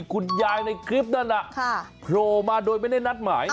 คุณยายในคลิปนั้นโพรมาโดยไม่ได้นัดหมายค่ะค่ะ